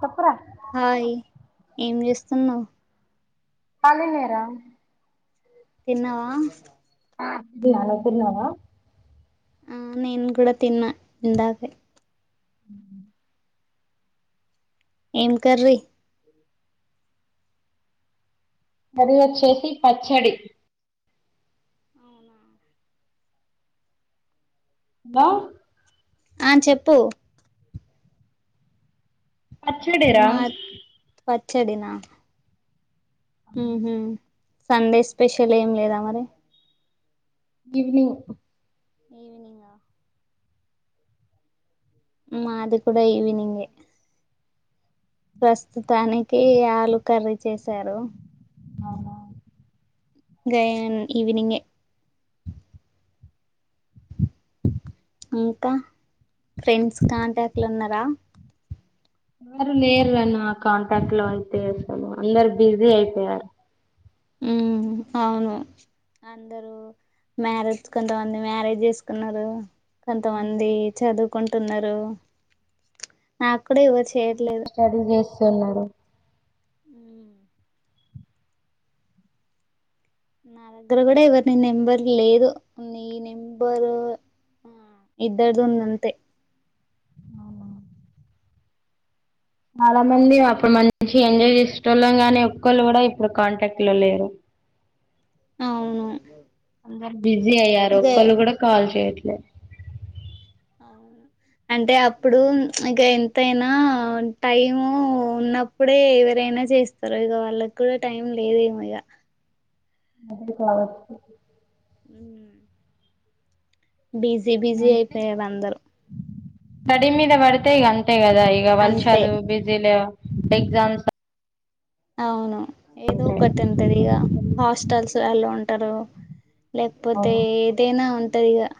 సప్పురా hi ఏం చేస్తున్నా్ పళ నేరం తన్నావా నాలుతురున్నావా ఆ నేను కూడా తిన్నా ఇందాకే అ ఏం కర్రీ మరి వచ్చేసి పచ్చడి అవునా హలో ఆ చెప్పు పచ్చడేరా మా పచ్చడినా సందే్ స్పెషల్ ఏం లేదా మరి ఈవినింగ్ ఈవినింగ్ా అది కూడాడా ఈవినింగ్ే ప్రస్తుతానికి ఆలు కర్రీ చేసారు అవు గయాన్ ఈవినింగ్ే ఇంకా ఫ్రెండ్స్ కాంటాక్ట్లు ఉన్నారా మారు లేరున్న కాంటాక్ట్ లో అయితే అసలు అందరు బిజీ అయిపోయారు ఉమ్ అవును అందరుూ మ్యారేజ్ కొంతమంది మ్యారేజ్ చేసుకున్నారు కొంతమంది చదువుకుంటున్నారు నాకు అక్కడే ఇవ చేయట్లేదు స్టడీ చేస్తున్నారు నా దగ్గర కూడా ఎవరి నీ నెంబర్ లేదు నీ నెంబరు ఇద్దర్దు ఉందంత చాలా మంది అప్పుడు మంచి ఎంజాయ్ చేస వాళ్ళం గానీ ఒళ్ళు కూడా ఇప్పుడు కాంటాక్ట్ లో లేరు అవును అంద బిజీ అయ్యారు ఇదే ఒళ్ళు కూడా కాల్ చేయ అవును అంటే అప్పుడు ఇక ఎంతైనా టైము ఉన్నప్పుడే ఎలైనా చేస్తారుో ఇక వాళ్ళకి కూడా టైం లేదేమో ఇక అదే స్గ అ బిజీ బిజీ అయిపోయారు అందరు స్టడ మీద వడితే ఈ అంతే కదా ఈ అంతే వలసదు బిజీల ఎక్సామ్స్ అవును ఏదో ఒకటి తెదిగా హాస్టల్స్ ఎలా ఉంటారు లేకపోతే అవును ఏదైనా ఉంటదిగా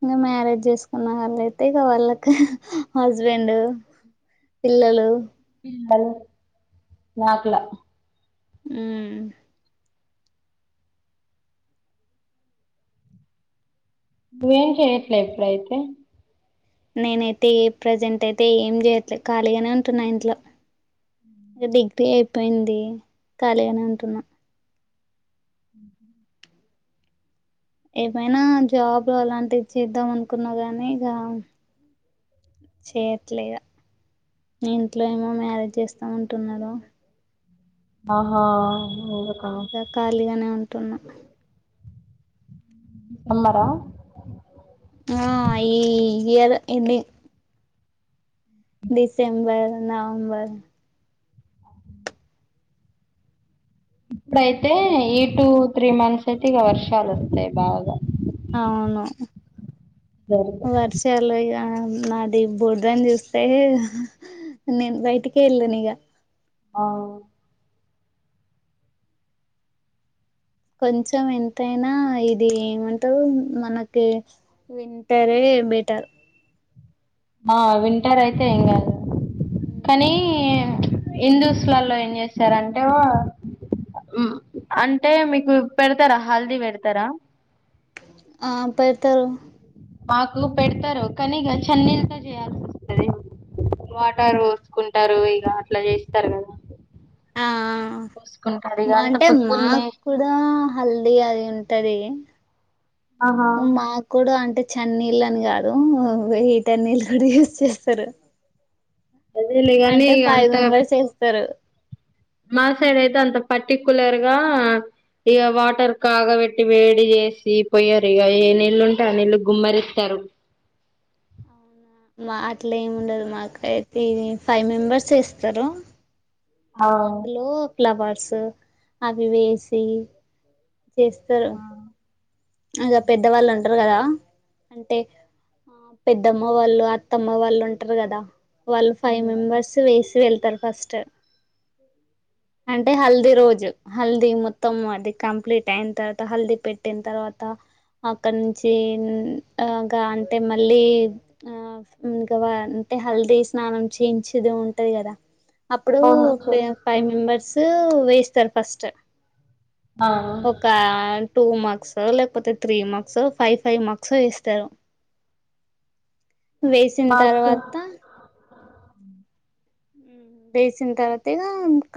ఇంకా మ్యారేజ్ చేసుకున్న వాళ్ళయితే ఇక వాళ్ళకి హస్బెండ్ పిల్లలు నాకులా ఆ ను ఏం చే ఎట్లా ఎట్లాయితే నేనైతే ఏ ప్రజెంట్ అయితే ఏం చేయట్లేదు ఖాళీగానే ఉంటున్నా ఇంట్లో ఇక డిగ్రీ అయిపోయింది ఖాళీగాని అంటున్నా అ ఏమైనా జాబ్లు అలాంటివి చేద్దాం అనుకున్నా గానీ ఇక చేయట్లేద ఇంట్లో ఏమో మ్యారేజ్ చేస్తా ఉంటున్నారు ఆహా ఎందుకా ఇక ఖాళీగానే ఉంటున్నా అమ్మార ారు ఎన్ని డిసెంబర్ నవంబర్ డ అయితే ఈ టూ త్రీ మంత్స్ అయితే ఈక వర్ష అలస్తయి బాగా అవును జరుగు వర్షాలు ఆ మాది బోర్దని చూస్తే నేను బయటికే వెళ్ళాను ఇక ఆ కొంచెం ఎంతైనా ఇది ఏమంటారు మనకి వింటార ఏమటారు ఆ వింటర్ అయితే ఏం కాదు కానీ హిందుూస్తులలో ఏం చేసారంటే ఓ అంటే మీకు పెడతారా హల్దీ పెడతారా ఆ పెడతారు మాకు పెడతారు కానీక చన్నీళ్లతో చేయాల్సి వస్తుంది వాటారు పోసుకుంటారు ఇక అట్లా చేస్తారు కదా ఆ చూసుకుంటారు ఇగ అంత అంటే పొద్దున్నే మాకు కూడా హల్దీ అది ఉంట అంటది ఆహా మా కూడా అంట అంటే చన్నీళ్ళ అని కాదు వెయ్యటన్నీళ్ళ కూడా యూజ్ చేస్తారు అదేలేగాని అంటే ఫైవ్ అంత మెంబర్స్ వస్తారు మా సైడ్ అయితే అంత పర్టికు్యలర్ గా ఇక వాటర్ కాగబెట్టి వేడి చేసి పోయారు ఇక ఏ నీళ్లుుంటే ఆ నీళ్లుు గుమ్మరిస్తారు మా అట్లా ఏమి ఉండదు మాక అయితే ఫైవ్ మెంబర్స్ ఇస్తారు అవును అందులో ఫ్లవర్స్ అవి వేసి చేస్తారు అగా పెద్దవాళ్ళు అంటారు కదా అంటే ఆ పెద్దమ్మ వాళ్ళు అత్తమ్మ వాళ్ళు ఉంటారు కదా వాళ్ళు ఫైవ్ మెంబర్స్ వేసి వెళ్తారు ఫస్ట్ అంటే హల్దీ రోజు హల్దీ మొత్తం అది కంప్లీట్ అయిన తర్వాత హల్దీ పెట్టిన తర్వాత అక్కడ నుంచి ఆగా అంటే మళ్ళీ ఆ ఇ అే హల్దీ స్నానం చేయించది ఉంటది కదా అప్పుడు అవును ఫైవ్ చేపిస్తారు వేస్తస్తారు ఫస్ట్ ఆ ఒక టూ మార్క్స్ లేకపోతే three marks five five marks వస్తారు వేసిన మాకు తర్వాత వేసిన తర్వాత ఇ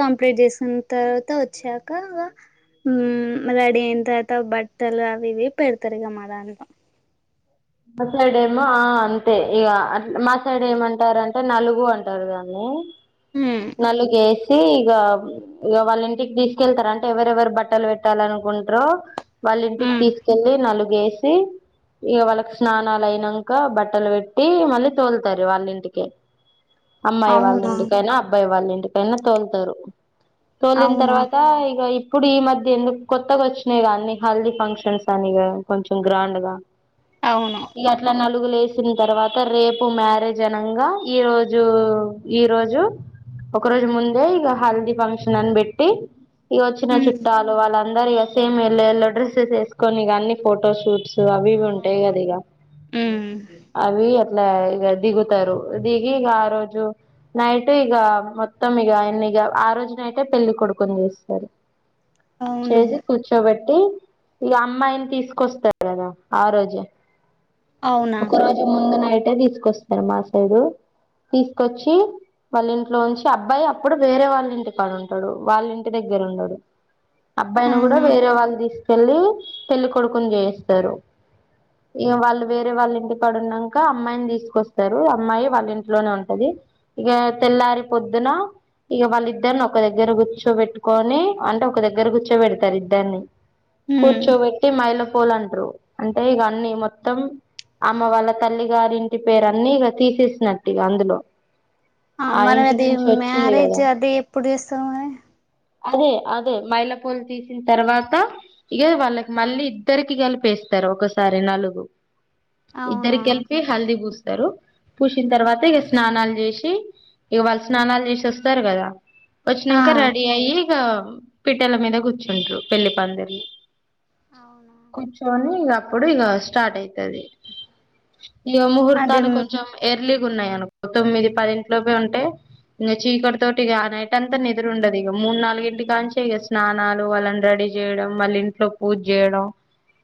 కంప్లీట్ చేసిన తర్వాత వచ్చాక ఉ రడిీ ఎంత అత బట్టలు అవి ఇవి పెడతారు ఇ గ మరా అంత మా సైడ్ ఏమో ఆ అంతే ఇక అ మా సైడ్ ఏమంటారంటే నలుగు అంటారు దాన్ని మ్ నలుగే ఇక ఇక వాళ్ళ ఇంటికి తీసుకెళ్తార అంటే ఎవరెవరు బట్టలు పెట్టాలనుకుంటారో వాళ్ళి ఇంటికి మ్ తీసుకెళ్ళలి నలుగ వేసి ఇక వాళ్ళకి స్నానాాల అయినాక బట్టలు పెట్టి మళ్ళీ తోలుతారు వాళ్ళింటికి అమ్మాయి వాళ్ళ అవునా ఇంటికైనా అబ్బాయి వాళ్ళంటికైనా తోలుతారు తోలిిన అవునా తర్వాత ఈ ఇ ఇప్పుడు ఈ మధ్య ఎందుకు కొత్తగా వచ్చినాయి అన్ని హెల్దీ ఫంక్షన్స్ అని కొంచెం గ్రాండ్ గా అవును ఇక అట్లా నా పలుగులేసిన తర్వాత రేపు మ్యారేజ్ అనంగా ఈ రోజు ఈరోోజు ఒక రోజు ముందే ఈ హల్దిీ ఫంక్షన్ అన్ బట్టి ఇక వచ్చిన మ్ చుట్టాలు వాళ్ళందరి ఇక సేమ్ వెళ్ళ ఎళ్ళ డ్రస్సెస్ వేసుకొని ఇ అన్ని ఫోటో షూట్స్ అభ ఉంటాయి ఆ ఇలా ఇ దిగుతారు దిగి ఆ రోజు నైట్ ఇక మొత్తం ఇకయన్ని ఇక ఆ రోజు నైటే పెళ్లిి కొడుకుని చేస్తారు అవునా చేసి కూర్చోబెట్టి ఈ అమ్మాయిని తీసుకొస్తాడు కదా ఆ రోజు అవునా ఒక రోజు ముందు నైటే తీసుకొస్తారు మా సైడు తీసుకొచ్చి వాళ్ళ ఇంట్లో ఉంచి అబ్బాయి అప్పుడు వేరే వాళ్ళ ఇంటి కాని ఉంటాడు వాళ్ళ ఇంటి దగ్గర ఉండడు అబ్బాయిని కూడా ఆహా వేరే వాళ్ళు తీసుకెళ్ళలి పెళ్లి కొడుకుని చేయిస్తారు ఇ వాళ్ళు వేరే వాళ్ళ ఇంటి పడు ఉన్నాక అమ్మాయిని తీసుకొస్తారు అమ్మాయి వాళ్ళ ఇంట్లోనే ఉంటది ఇక తెల్లారి పొద్దున ఇక వాళ్ళ ఇద్దరిని ఒక దగ్గర కూర్చోబెట్టుకొని అంటే ఒక దగ్గర కూర్చోబెడతారు ఇద్దరిని మ్ కూర్చోబెట్టి మైళ పోలంటారు అంటే ఇక అన్నిీ మొ మొత్తం అమ్మ వాళ్ళ తల్లి గారి ఇంటి పేరు అన్ని ఇక తీసేసినట్టు ఇక అందులో ఆ మరి ఇంటి అది నుంచి వచ్చింది మ్యారేజ్ కదా అది ఎప్పుడు చేస్తాంది మరి అదే అదే మైలపూలు తీసిన తర్వాత ఇక వాళ్ళకి మళ్ళీ ఇద్దరికి కలిపేస్తారు ఒకసారి నాలుగు అవునా ఇద్దరికెలిపి హల్దీ పూస్తారు పూసిన తర్వాత ఆహా ఇక స్నానాలు చేసి ఇగ వాల్ స్నానాలు చేసి వస్తారు కదా ఆ వచ్చినంక రెడీ అయ్యి అ పిట్టల మీద కూర్చుంటారు పెళ్లి పందిర్లు అవునా కూర్చోని ఇగ అప్పుడిగ స్టార్ట్ అయితది ఇగ అది ముహూర్తాలు కొంచెం ఎర్లీగా ఉన్నాయి అనుకో తొమ్మిది పదింట్లోపె ఉంటే ఇంగ చీకటి తోటి ఇగ అ నైట్ అంతా నిద్దరుండదు ఇగ మూడు నాలుగు ఇంటికనించే ఇగ స్నానాలు వాళ్ళని రెడీ చేయడం వాళ్ళింట్లో పూజ చేయడం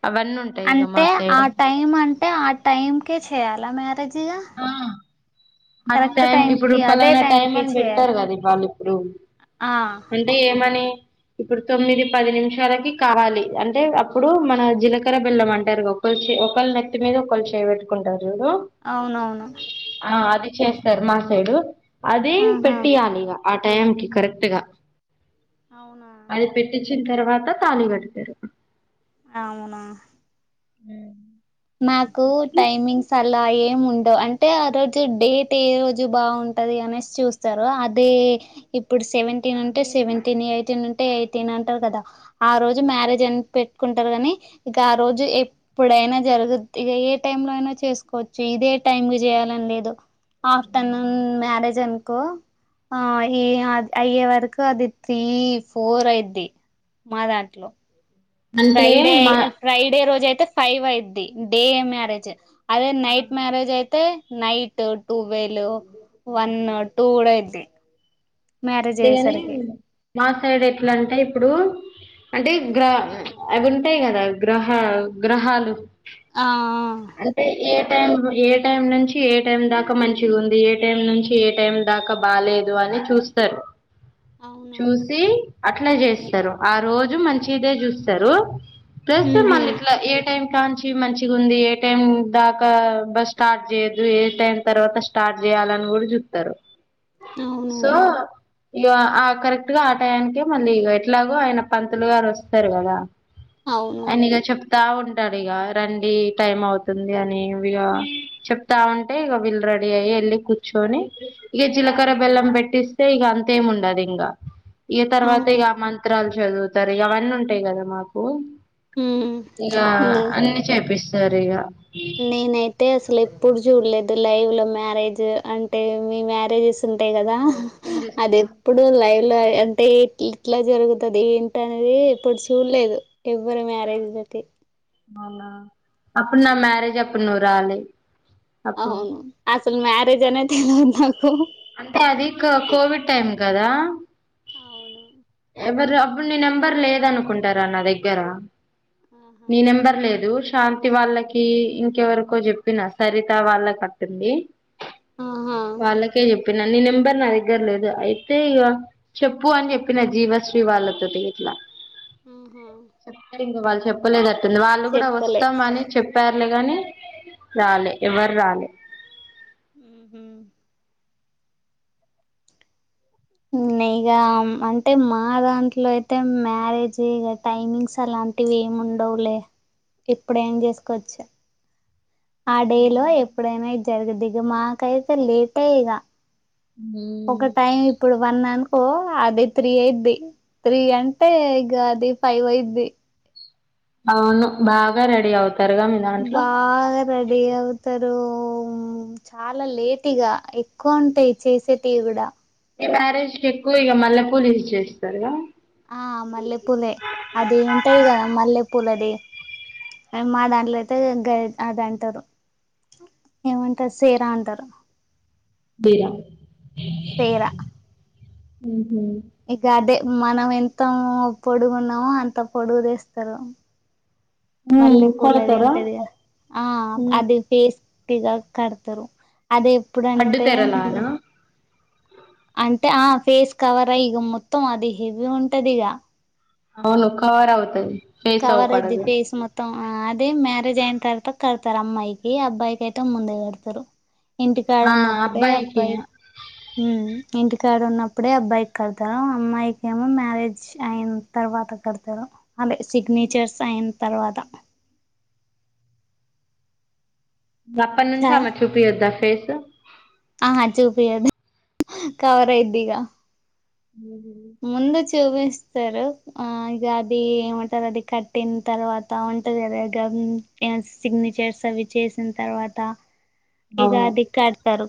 అవన్నీ ఉంటాయి ఇగ మా అంటే ఆ సైడ్ టైం అంటే ఆ టైంకే చేయాలా మ్యారేజిగా ఆ ఆ టైం ఇప్పుడు పలానా టైం అని చేయాలి పెడతారు కదా వాళ్ళు ఇప్పుడు ఆ అంటే మని ఇప్పుడు తొమ్మిది పది నిమిషాలకి కావాలి అంటే అప్పుడు మన జీలకర్ర బెల్లం అంటారు గక్క ఒకల్ నెత్తి మీద ఒకళ్ చేయ్ పెట్టుకుంటారు అవునవును ఆ అది చేస్తారు మా సైడు అది ఆహా పెట్టియాలి ఆ టైంకిి కరెక్ట్గా అవునా అది పెట్టించిన తర్వాత తాలి గడతారు అవునా అ నాకు టైమింగ్స్ అ అలా ఏం ఉండవ్ అంటే ఆ రోజు డేట్ ఏ రోజు బాగుంటది అనేసి చూస్తారు అదే ఏ ఇప్పుడు సెవెంటీన్ ఉంటే డీలు సెవెంటీన్ యాయ్టీన్ టే ఎయిటీన్ అంటారు కదా ఆ రోజు మ్యారేజ్ అని పెట్టుకుంటారు గానీ ఇక ఆ రోజు ఎప్పుడైనా జరుగుద్దిగా ఇగ ఏ టైమ్ లో అయినా చేసుకోవచ్చు ఇదే టైమ్ కి చేయాలని లేదు ఆఫ్టర్నూన్ మ్యారేజన్ కొ ఆ ఈ అయ్యే వరకు అది త్రీ ఫోర్ అయిద్ది మా దాంట్లో అంటే ఫ్రైడే మా ఫ్రైడే రోజు అయితే ఫైవ్ అయిద్ది డే మ్యారేజ్ అదే నైట్ మ్యారేజ్ అయితే నైట్ టూవెేలు వన్ను టూ కూడా అయిద్ది మ్యారేజ్ అంతేగాని అయ్యేసరికి మా సైడ్ ఎట్లా అంటే ఇప్పుడు అంటే గ్రా అవి ఉంటాయి కదా గ్రహ గ్రహాలు ఆ ఆ అంటే ఏ టైం ఏ టైం నుంచి ఏ టైం దాకా మంచిగుంది ఏ టైం నుంచి ఏ టైం దాకా బాలేదు అని చూస్ స్తర్ అవునా చూసి అట్లా చేస్తారు ఆ రోజు మంచిదే చూస్తారు ప్లస్ ఉహు మళ్ళిట్లా ఏ టైం కాంచి మంచిగుంది ఏ టైం దాకా బ స్టార్ట్ చేయద్దు ఏ టైం తర్వాత స్టార్ట్ చే చేయాలని కూడా జూత్తరు అవును సో ఇగ ఆ కరెక్ట్ గా ఆటాయనికే మళ్ళీ ఇ ఎట్లాగో ఆయన పంతులు గారు వస్తారు కదా అవును తా ఉంటడిగ రండి టైం అవుతుంది అని ఇగ చెప్తా ఉంటే ఇగ వీళ్ళు రెడీ అయ్యి వెళ్ళి కూర్చుొని ఇగ జీలకర్ర బెల్లం పెట్టిస్ తె ఇగ అంతేం ఉండదు ఇంగా ఇగా తర్వాత అవును ఇగా మంత్రాలు చదువుతారు ఇగా అవన్నీ ఉంటాయి కదా మాకు ఉమ్ ఇగా అన్ని చేపిస్ జరిగా నీనయితే అసలేప్పుడు జూల్లే లైవ్ ల మ్యారేజ్ అంటే మీ మ్యారేజెస్ ఉంటాయి కదా హిందూస్ అదేప్పుడు లైవ్ ఇట్లా అంటే ఇ ఇట్లా జరుగుతది ఏంటి అనేది ఇప్పుడు చూడలేదు ఎవ్వరు మ్యరేజ్ అవున అప్పుడు నా మ్యారేజ్ అప్పుడు నువ్వు రావాలి అవును అసలు మ్యారేజ అనే తెల్వదు అంటే అది కోవిడ్ టైమ్ కదా అవును ఎవరు అప్పుడు నీ నెంబర్ లేద అనుకుంటరా నా దగ్గర ఆహా నీ నెంబర్ లేదు శాంతి వాళ్ళకి ఇంకెవరకో చెప్పినా సరిత వాళ్ళక అంటంది ఆహా వాళ్ళకే చెప్పినాను నేనుం నంబరు నా దగ్గర లేదు అయితే ఇగ చెప్పు అని చెప్పిన జీవశ్రీ వాళ్ళతోటి ఇట్లా ఆహా వాళ్ళు చెప్పలేదట్టుంది వాళ్ళు కూడా చెప్తలే వస్తామ అని చెప్పారు రాలని రాలే ఎవరు రాలే ఉ ఇగ అంటే మా దాంట్లో అయితే మ్యారేజ్ ఇగ టైమింగ్స్ అలా లాంటివి ఏమి ఉండవులే ఇప్పుడ ఏం చేసుకోవచ్చు ఆ డేలో ఎప్పుడైనా జరుగదు ఇక మాకైతే లేటే ఇగ ఒక టైం ఇప్పుడు వన్ అనుకో అది త్రీ అయిద్ది త్రీ అంటే ఇగ అది ఫైవ్ అయిద్ది అవును బాగా రెడి అవు బాగా రెడి అవుతారు చాలా లేటి ఇగ ఎక్కువ ఉంటయి చేసేటివి కూడా ఈ మ్యారేజ్ ఎక్కువ ఇగ మల్లె పూలు యూజ్ చేసిర్రంటన ఆ మల్లెపూలే అది ఉంటది కదా మల్లెపూల అది మా దాంట్లోయితే గ అద అంటారు ఏమంటారు సేరా అంటారు బీరా ఎకా అదే మనం ఎంత పొడుగున్నామో అంత పొడుగుదేస్తారు ఉ మల్లె పూలది కొడతారా ఉంతదిగా ఆ అది ఫేస్ పటిగా కడతరు అది అడ్డు ఎప్పుడంటే తెరలానా అంటే ఆ ఫేస్ కవరా ఇగ మొత్తం అది హెవీ ఉంటదిగ అవును కవరవుతది కవర్ యిది ఫేస్ మొత్తం ఆ అదే మ్యారేజ్ అయిన తర్వాత కడతరు అమ్మాయికి అబ్బాయికి అయితే ముందే కడతరు ఆ ఇంటికాడన్నప్పుడే అబ్బాయికి అబ్బాయి ఊ ఇంటికాడ ఉన్నప్పుడే అబ్బాయికి కడతా అమ్మాయికి ఏమో మ్యారేజ్ అయిన తర్వాత కడతారు అదే సిగ్నేచర్స్ అయిన తర్వాత అప్పటి నుంచి అమ్మ చూపియొద్దా ఫేస్ ఆ అది చూపియదు కవర్ అయిద్దిగా ఉహు ముందచ్ చూపిస్తరు ఆ ఇగ అది ఏమంటరు అది కట్టిన తర్వాత ఉంటంది కదా ఇక సిగ్నేచర్స్ అవి చేసిన తర్వాత ఇగ అవును అది కడతరు